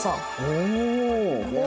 おお！